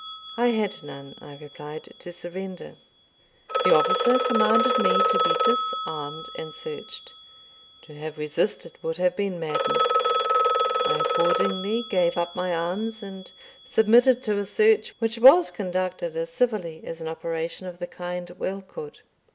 "I had none," I replied, "to surrender." The officer commanded me to be disarmed and searched. To have resisted would have been madness. I accordingly gave up my arms, and submitted to a search, which was conducted as civilly as an operation of the kind well could.